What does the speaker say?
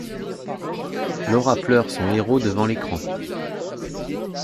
Laura pleure son héros devant l’écran.